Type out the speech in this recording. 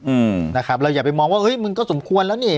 อืมนะครับเราอย่าไปมองว่าเฮ้ยมันก็สมควรแล้วนี่